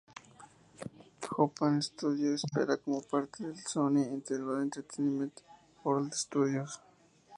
Japan Studio opera como parte de Sony Interactive Entertainment Worldwide Studios.